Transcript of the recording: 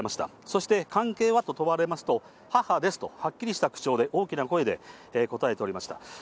そして関係はと問われますと、母ですと、はっきりした口調で、大きな声で答えておりました。